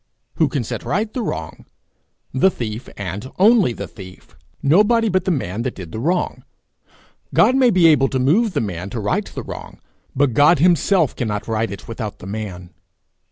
Who can set right the wrong? The thief, and only the thief; nobody but the man that did the wrong. God may be able to move the man to right the wrong, but God himself cannot right it without the man.